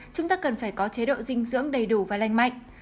chúng ta cần phải có chế độ dinh dưỡng đầy đủ và lành mạnh